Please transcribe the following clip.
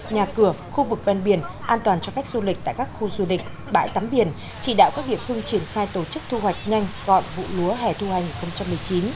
nhà cửa khu vực ven biển an toàn cho khách du lịch tại các khu du lịch bãi tắm biển chỉ đạo các địa phương triển khai tổ chức thu hoạch nhanh gọn vụ lúa hẻ thu hành hai nghìn một mươi chín